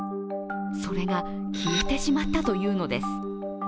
それが消えてしまったというのです。